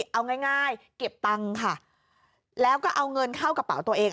เอาง่ายเก็บตังค์ค่ะแล้วก็เอาเงินเข้ากระเป๋าตัวเอง